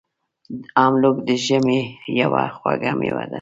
املوک د ژمي یوه خوږه میوه ده.